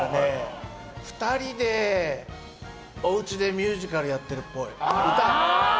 ２人でおうちでミュージカルやってるっぽい。